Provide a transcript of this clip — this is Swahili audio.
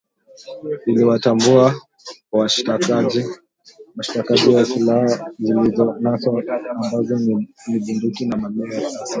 iliwatambua washtakiwa na silaha zilizonaswa ambazo ni bunduki na mamia ya risasi